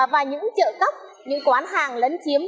và những chợ cấp những quán hàng lấn chiếm